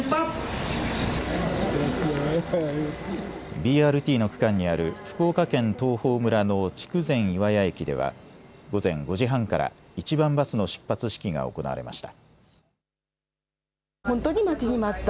ＢＲＴの区間にある福岡県東峰村の筑前岩屋駅では午前５時半から一番バスの出発式が行われました。